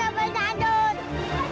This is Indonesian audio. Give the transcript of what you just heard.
aduh ajar ajar benar